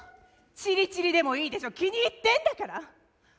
チリチリでもいいでしょ気に入ってんだから。